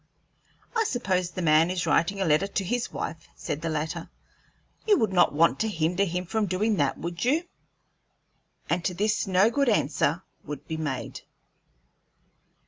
"I suppose the man is writing a letter to his wife," said the latter. "You would not want to hinder him from doing that, would you?" And to this no good answer could be made.